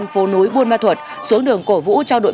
phía sau lưng tôi